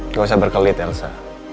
nggak usah berkelit elsa